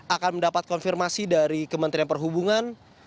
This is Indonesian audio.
akan mendapat konfirmasi dari kementerian perhubungan